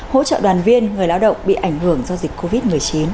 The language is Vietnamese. hỗ trợ đoàn viên người lao động bị ảnh hưởng do dịch covid một mươi chín